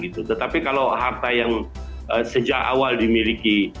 tetapi kalau harta yang sejak awal dimiliki